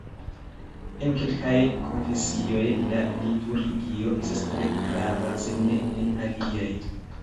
En kelkaj konfesioj, la liturgio estas tre grava, sed ne en aliaj.